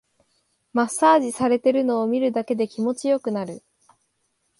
マッサージされてるのを見るだけで気持ちよくなる